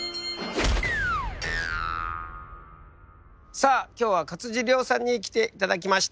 さあ今日は勝地涼さんに来ていただきました。